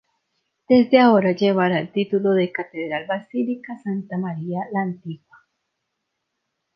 Desde ahora llevara el título de Catedral Basílica Santa Maria la Antigua.